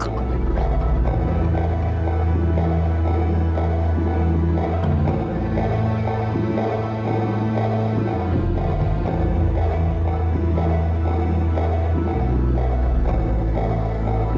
kau yang selalu memusahi ayahku